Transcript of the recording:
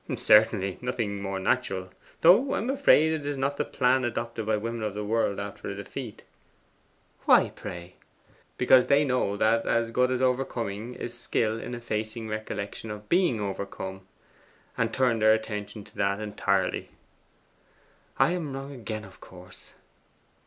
'Certainly: nothing more natural. Though I am afraid it is not the plan adopted by women of the world after a defeat.' 'Why, pray?' 'Because they know that as good as overcoming is skill in effacing recollection of being overcome, and turn their attention to that entirely.' 'I am wrong again, of course.